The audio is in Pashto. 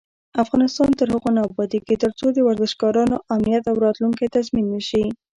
افغانستان تر هغو نه ابادیږي، ترڅو د ورزشکارانو امنیت او راتلونکی تضمین نشي.